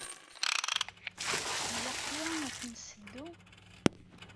Ilaq tura ad ten-nseddu?